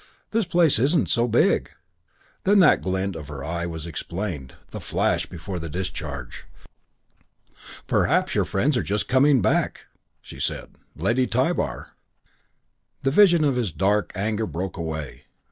This place isn't so big." Then that quick glint of her eye was explained the flash before the discharge. "Perhaps your friends are just coming back," she said. "Lady Tybar." The vision of his dark anger broke away.